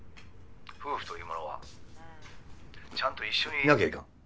夫婦というものはちゃんと一緒にいなきゃいかん。